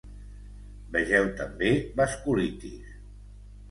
Vegeu també vasculitis.